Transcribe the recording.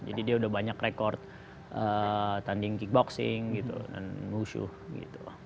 jadi dia udah banyak rekord tanding kickboxing gitu dan wushu gitu loh